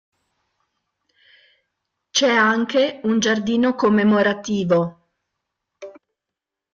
C'è anche un giardino commemorativo.